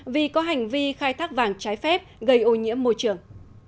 vì có hành vi khai thác vàng trái phép gây ô nhiễm môi trường